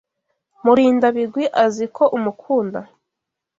Murindabigwi azi ko umukunda? .